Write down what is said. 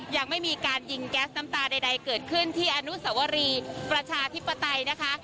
ยังไม่มีการยิงแก๊สน้ำตาใดเกิดขึ้นที่อนุสวรีประชาธิปไตยนะคะ